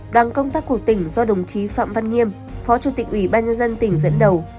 đoàn công tác của tỉnh do đồng chí phạm văn nghiêm phó chủ tịch ủy ban nhân dân tỉnh dẫn đầu